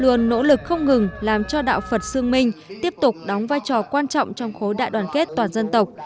luôn nỗ lực không ngừng làm cho đạo phật sương minh tiếp tục đóng vai trò quan trọng trong khối đại đoàn kết toàn dân tộc